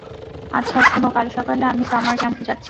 আচ্ছা শোনো কাল সকালে আমি সামার ক্যাম্প যাচ্ছি।